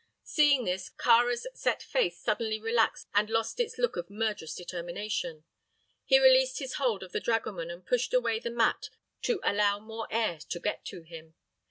Seeing this, Kāra's set face suddenly relaxed and lost its look of murderous determination. He released his hold of the dragoman and pushed away the mat to allow more air to get to him.